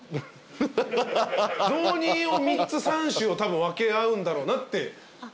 雑煮を３つ３種をたぶん分け合うんだろうなって